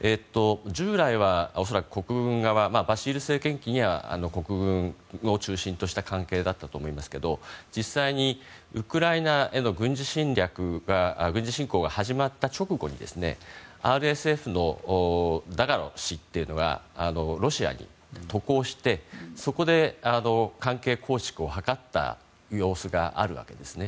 従来は、恐らく国軍側バシル政権期には国軍を中心とした関係だったと思いますが実際にウクライナへの軍事侵攻が始まった直後にＲＳＦのダガロ氏がロシアに渡航してそこで関係構築を図った様子があるわけですね。